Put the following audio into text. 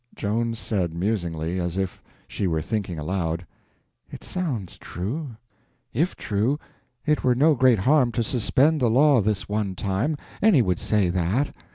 Joan said, musingly, as if she were thinking aloud: "It sounds true. If true, it were no great harm to suspend the law this one time—any would say that.